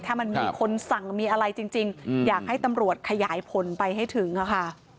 ถ้ามันมีคนสั่งมีอะไรจริงอยากให้ตำรวจขยายผลไปให้ถึงค่ะ